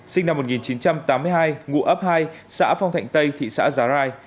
sinh năm một nghìn chín trăm tám mươi hai ngụ ấp hai xã phong thạnh tây thị xã giá rai